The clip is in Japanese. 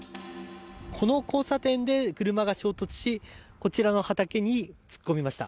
この交差点で車が衝突しこちらの畑に突っ込みました。